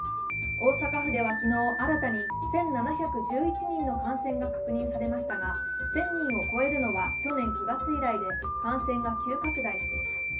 大阪府では昨日、新たに１７１１人の感染が確認されましたが１０００人を超えるのは去年９月以来で感染が急拡大しています。